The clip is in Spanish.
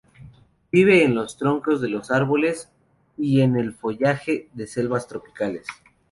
Vive en los troncos de los árboles y en el follaje de selvas tropicales.